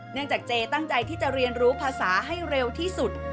จากเจตั้งใจที่จะเรียนรู้ภาษาให้เร็วที่สุด